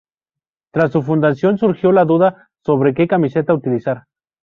Tras su fundación surgió la duda sobre que camiseta utilizar.